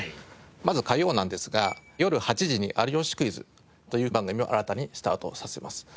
まず火曜なんですがよる８時に『有吉クイズ』という番組を新たにスタートさせます。